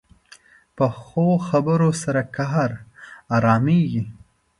پخو خبرو سره قهر ارامېږي